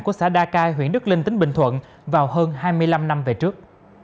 của xã đa cai huyện đức linh tỉnh bình thuận vào hơn hai mươi năm năm về trước